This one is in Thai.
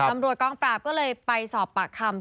ตำรวจกองปราบก็เลยไปสอบปากคำ